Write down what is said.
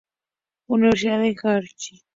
Universidad de Warwick.